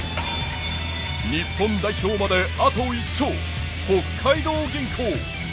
日本代表まで、あと１勝北海道銀行。